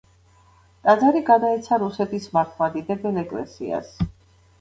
ტაძარი გადაეცა რუსეთის მართლმადიდებელ ეკლესიას.